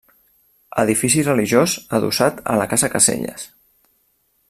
Edifici religiós adossat a la casa Caselles.